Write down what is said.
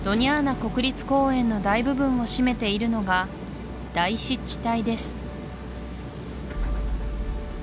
国立公園の大部分を占めているのが大湿地帯です